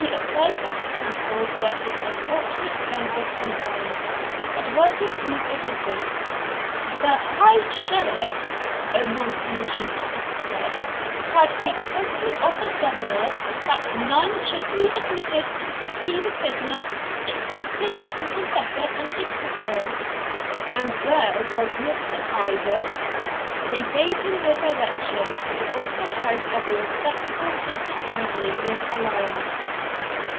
He applied at the Castle where his unfortunate friend was confined, but was refused admittance. 'The High Sheriff,' a non commissioned officer said, 'had requested of the governor that none should be admitted to see the prisoner excepting his confessor and his sister.' 'And where was Miss Mac Ivor?' They gave him the direction. It was the house of a respectable Catholic family near Carlisle.